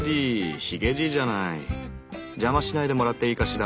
邪魔しないでもらっていいかしら？